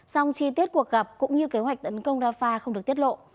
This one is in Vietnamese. song chi tiết cuộc gặp cũng như kế hoạch tấn công rafah không được tiết lộ